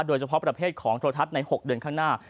โดยเฉพาะประเภทของโทรทัศน์ใน๖เดือนข้างหน้า